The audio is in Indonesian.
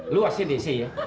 lo asyik disini ya